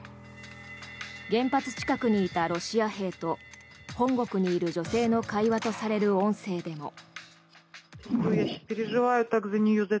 原発近くにいたロシア兵と本国にいる女性の会話とされる音声でも。